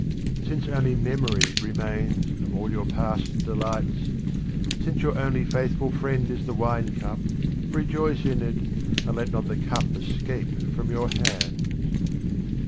Since only memory remains of all your past delights, since your only faithful friend is the wine cup, rejoice in it, and let not the cup escape from your hands.